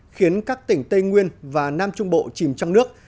khiến các tỉnh tây nguyên và nam trung bộ chìm trong nước